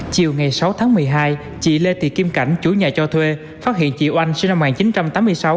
chiều ngày sáu tháng một mươi hai chị lê thị kim cảnh chủ nhà cho thuê phát hiện chị oanh sinh năm một nghìn chín trăm tám mươi sáu